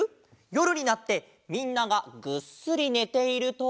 よるになってみんながぐっすりねていると。